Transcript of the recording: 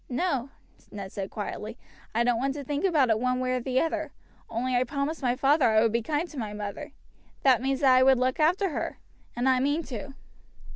"No," Ned said quietly, "I don't want to think about it one way or the other, only I promised my father I would be kind to my mother; that means that I would look after her, and I mean to.